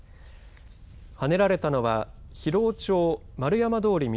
はねられたのは広尾町丸山通南